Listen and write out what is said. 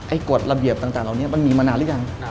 ไอ้กฎระเบียบต่างเราเนี่ยมันมีมานานหรือยัง